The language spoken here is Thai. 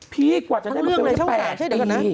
พี่กว่าจะได้มีเรื่องแบบแปดปี